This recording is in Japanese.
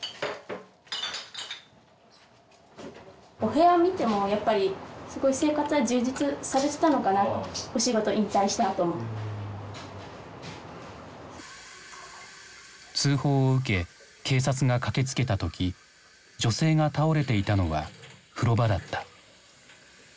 お部屋見てもやっぱり通報を受け警察が駆けつけた時女性が倒れていたのは風呂場だった。